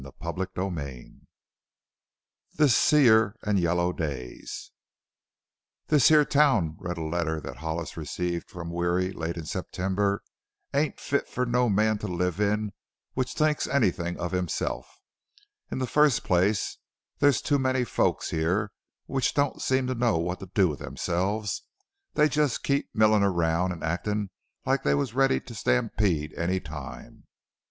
CHAPTER XXVII THE SEAR AND YELLOW DAYS "This here town," read a letter that Hollis received from Weary late in September "aint fit for no man to live in which thinks anythink of hisself, in the first place theres two many folks here which dont seem to know what to do with themselves they just keep millin around an actin like they was ready to stampead any time.